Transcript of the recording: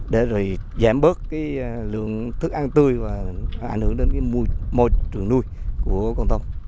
để rồi giảm bớt lượng thức ăn tươi và ảnh hưởng đến môi trường nuôi của con tôm